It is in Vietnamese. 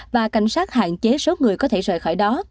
và cảnh sát hạn chế số người có thể rời khỏi đó